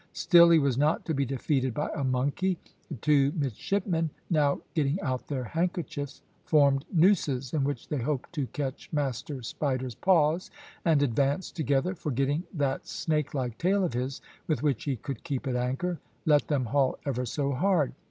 Still he was not to be defeated by a monkey. The two midshipmen, now getting out their handkerchiefs, formed nooses, in which they hoped to catch Master Spider's paws, and advanced together, forgetting that snake like tail of his, with which he could keep at anchor, let them haul ever so hard.